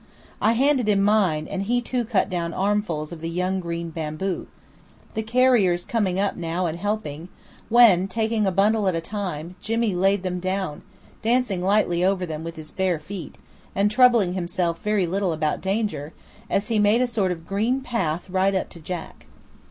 I handed him mine, and he too cut down armfuls of the young green bamboo, the carriers coming up now and helping, when, taking a bundle at a time, Jimmy laid them down, dancing lightly over them with his bare feet, and troubling himself very little about danger, as he made a sort of green path right up to Jack.